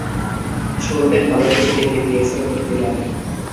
শুরুতে ভালো কিছুর ইঙ্গিত দিয়েছিল নিউজিল্যান্ড।